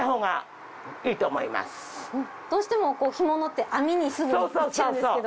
どうしても干物って網にすぐいっちゃうんですけど。